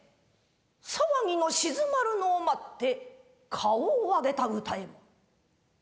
騒ぎの静まるのを待って顔を上げた歌右衛門。